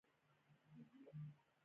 کابل د افغان ځوانانو لپاره دلچسپي لري.